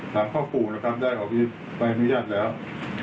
ถามข้อผู้นะครับได้ขออนุญาตแล้วค่ะ